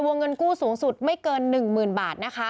เงินกู้สูงสุดไม่เกิน๑๐๐๐บาทนะคะ